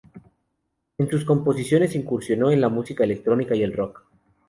En sus composiciones, incursionó en la música electrónica y el rock.